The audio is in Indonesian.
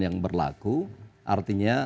yang berlaku artinya